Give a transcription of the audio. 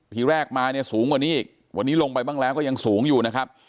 ทีแรกมาเนี่ยสูงกว่านี้อีกวันนี้ลงไปบ้างแล้วก็ยังสูงอยู่นะครับ